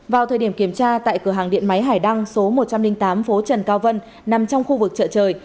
vào thời điểm kiểm tra tại cửa hàng điện máy hải đăng số một trăm linh tám phố trần cao vân nằm trong khu vực chợ trời